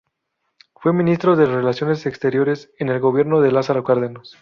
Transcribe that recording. Fue Ministro de Relaciones Exteriores en el Gobierno de Lázaro Cárdenas.